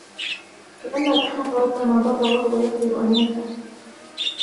لِأَنَّ الْأَحْمَقَ رُبَّمَا ضَرَّ وَهُوَ يَقْدِرُ أَنْ يَنْفَعَ